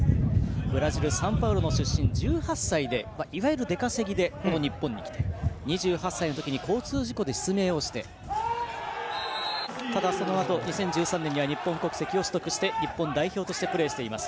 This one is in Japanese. ブラジル・サンパウロ出身１８歳のとき、出稼ぎでこの日本に来て、２８歳のときに交通事故で失明をしてただ、そのあと２０１３年に日本国籍を取得して日本代表としてプレーしています。